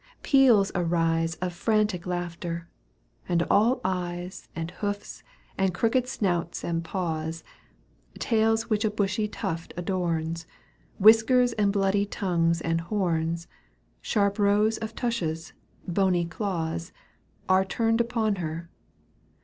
Peals arise Of frantic laughter, and all eyes And hoofs and crooked snouts and paws, Tails which a bushy tuft adorns, Whiskers and bloody tongues and horns, Sharp rows of tushes, bony claws, Are turned upon her.